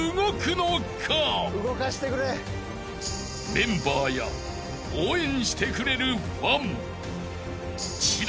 ［メンバーや応援してくれるファン］